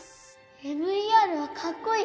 ＭＥＲ はかっこいい